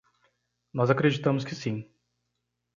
Nós acreditamos que sim.